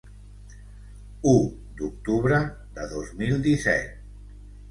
U d’octubre de dos mil disset.